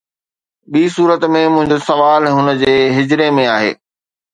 ٻي صورت ۾، منهنجو سوال هن جي حجري ۾ آهي